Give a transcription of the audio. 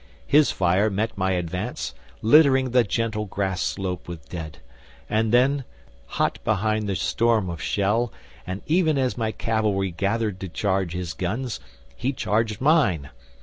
His fire met my advance, littering the gentle grass slope with dead, and then, hot behind the storm of shell, and even as my cavalry gathered to charge his guns, he charged mine.